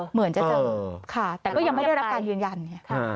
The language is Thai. เหมือนจะเจอค่ะแต่ก็ยังไม่ได้รับการยืนยันไง